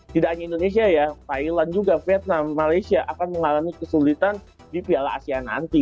tidak hanya indonesia ya thailand juga vietnam malaysia akan mengalami kesulitan di piala asia nanti